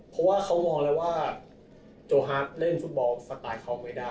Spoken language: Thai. เพราะว่าเขามองแล้วว่าโจฮาร์ดเล่นฟุตบอลสไตล์เขาไม่ได้